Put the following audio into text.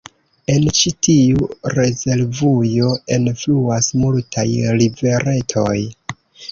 En ĉi tiu rezervujo enfluas multaj riveretoj.